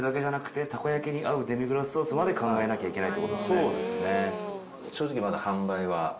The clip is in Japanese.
そうですね。